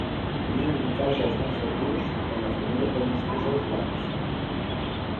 Nien en caus als bancs dels rius, on la femella pon uns tres ous blancs.